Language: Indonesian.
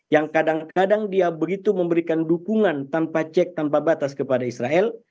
yang kadang kadang dia begitu memberikan dukungan tanpa cek tanpa batas kepada israel